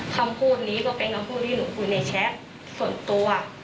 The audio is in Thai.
คำพูดนี้ก็เป็นคำพูดที่หนูคุยในแชทส่วนตัว